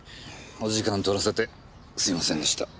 お時間とらせてすいませんでした。